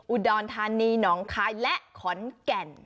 อุดรธานีหนองคายและขอนแก่น